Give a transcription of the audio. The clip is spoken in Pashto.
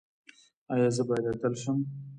ایا زه باید اتل شم؟